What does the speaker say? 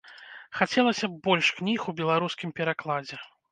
Хацелася б больш кніг у беларускім перакладзе.